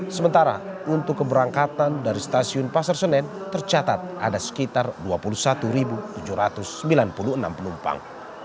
sementara untuk keberangkatan dari stasiun pasar senen tercatat ada sekitar dua puluh satu tujuh ratus sembilan puluh enam penumpang